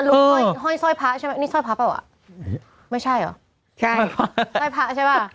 ห้อยห้อยสร้อยพระใช่ไหมนี่สร้อยพระเปล่าอ่ะไม่ใช่เหรอใช่สร้อยพระใช่ป่ะ